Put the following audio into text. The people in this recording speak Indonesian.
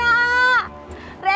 ya allah rena